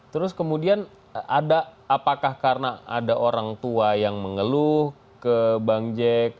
terus kemudian ada apakah karena ada orang tua yang mengeluh ke bang jack